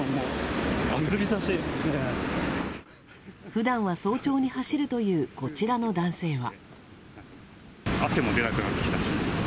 普段は早朝に走るというこちらの男性は。